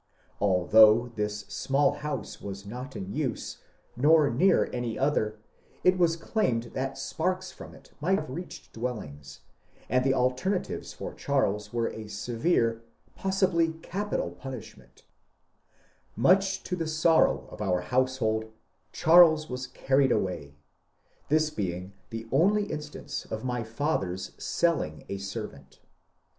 Although this small bouse was not in use, nor near any other, it was claimed tbat sparks from it might bave reached dwellings; and the alternatives for Cbarles were a severe — possibly capital — punishment, or sale to a plantation far South. Much to tbe sorrow of our household, § BASIL GORDON 13 Charles was carried away, this being the only instance of my father's selling a servant.